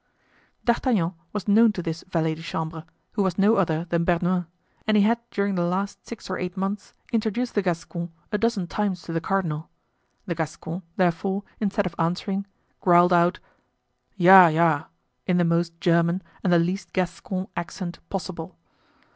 D'Artagnan was known to this valet de chambre, who was no other than Bernouin, and he had during the last six or eight months introduced the Gascon a dozen times to the cardinal. The Gascon, therefore, instead of answering, growled out "Ja! Ja!" in the most German and the least Gascon accent possible.